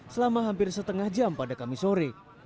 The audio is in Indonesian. selama hampir setengah jam pada kamis sore